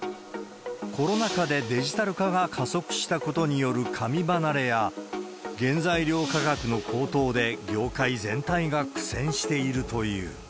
コロナ禍でデジタル化が加速したことによる紙離れや、原材料価格の高騰で、業界全体が苦戦しているという。